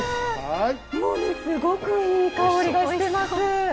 もう、すごくいい香りがしてます。